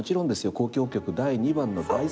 『交響曲第２番』の。